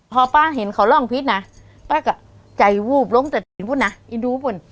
พอป้าเห็นเขาร่องพิษนะป้าก็ใจวูบลงแต่เห็นพูดนะเอ็นดูบ่น